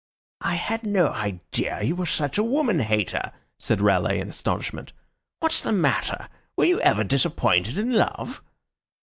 "I had no idea you were such a woman hater," said Raleigh, in astonishment. "What's the matter? Were you ever disappointed in love?"